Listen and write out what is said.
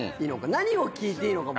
何を聞いていいのかも。